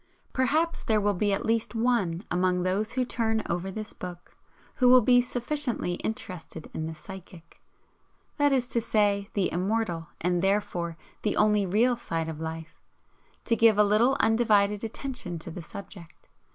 Perhaps there will be at least one among those who turn over this book, who will be sufficiently interested in the psychic that is to say the immortal and, therefore, the only REAL side of life to give a little undivided attention to the subject.